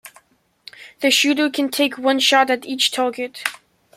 The shooter can take one shot at each target.